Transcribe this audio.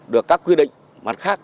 được các quy định mặt khác